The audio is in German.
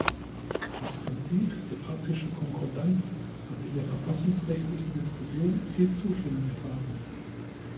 Das Prinzip der praktischen Konkordanz hat in der verfassungsrechtlichen Diskussion viel Zustimmung erfahren.